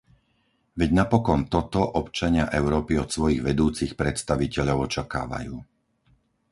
Veď napokon toto občania Európy od svojich vedúcich predstaviteľov očakávajú.